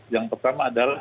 yang pertama adalah